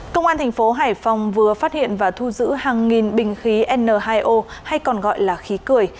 công an thành phố hải phòng vừa phát hiện và thu giữ hàng nghìn bình khí n hai o hay còn gọi là khí cười